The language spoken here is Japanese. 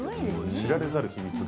知られざる秘密が。